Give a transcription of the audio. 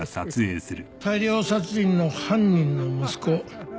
大量殺人の犯人の息子。